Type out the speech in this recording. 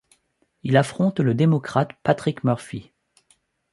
Il affronte le démocrate Patrick Murphy.